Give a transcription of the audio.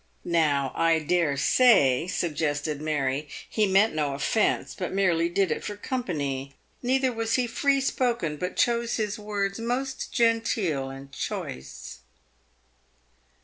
" Now, I dare say," suggested Mary, " he meant no offence, but merely did it for company. Neither was he free spoken, but chose his words most genteel and choice."